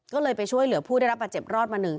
ก็เลยไปช่วยเหลือผู้ได้รับบาดเจ็บรอดมาหนึ่ง